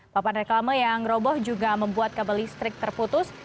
papan reklama yang roboh juga membuat kabel listrik terputus